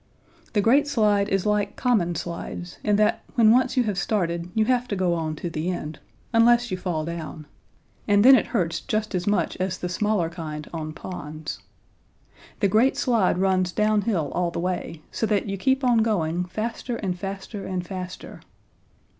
The great slide is like common slides in that when once you have started you have to go on to the end unless you fall down and then it hurts just as much as the smaller kind on ponds. The great slide runs downhill all the way, so that you keep on going faster and faster and faster.